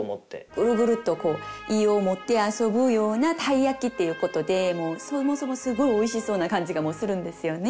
「グルグルと胃をもてあそぶようなたい焼き」っていうことでそもそもすごいおいしそうな感じがするんですよね。